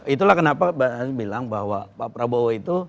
itulah kenapa bilang bahwa pak prabowo itu